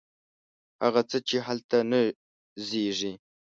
هغه څه، چې هلته نه زیږي